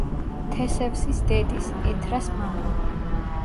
თესევსის დედის, ეთრას, მამა.